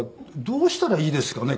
どうしたらいいですかね？